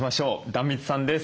壇蜜さんです。